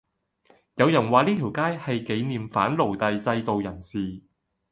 有人話呢條街係記念反奴隸制度人士